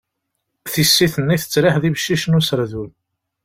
Tissit-nni tettriḥ d ibeccicen userdun.